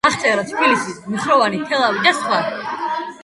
აღწერა თბილისი, მუხროვანი, თელავი და სხვა.